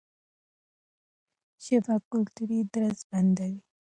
ژبه کلتوري درز بندوي.